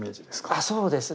あそうですね。